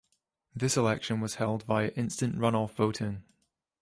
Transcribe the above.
This election was held via instant-runoff voting.